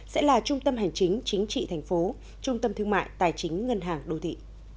sẽ là trung tâm hành chính chính trị thành phố trung tâm thương mại tài chính ngân hàng đô thị